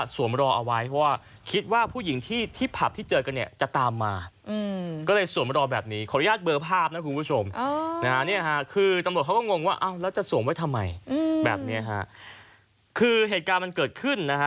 ส่วนไว้ทำไมอืมแบบเนี้ยฮะคือเหตุการณ์มันเกิดขึ้นนะฮะ